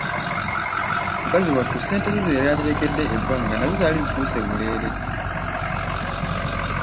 Mukazi wattu ssente ze ze yali aterekedde ebbanga nazo zaali zifuuse bulere.